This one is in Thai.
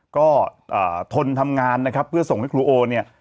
ก็ทนทำงานนะครับเพื่อส่งให้ครูโอเนี่ย